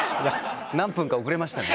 何分か遅れましたね。